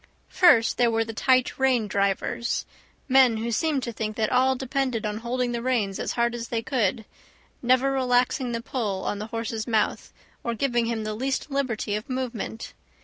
First, there were the tight rein drivers men who seemed to think that all depended on holding the reins as hard as they could, never relaxing the pull on the horse's mouth, or giving him the least liberty of movement.